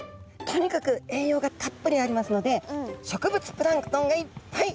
とにかく栄養がたっぷりありますので植物プランクトンがいっぱい！